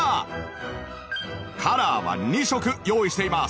カラーは２色用意しています。